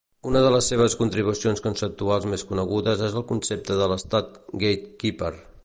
Una de les seves contribucions conceptuals més conegudes és el concepte de l'estat gatekeeper.